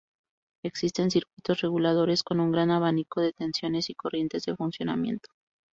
Existen circuitos reguladores con un gran abanico de tensiones y corrientes de funcionamiento.